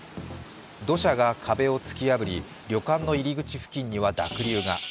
土砂が壁を突き破り旅館の入り口付近には濁流が。